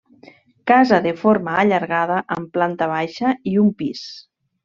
Casa de forma allargada amb planta baixa i un pis.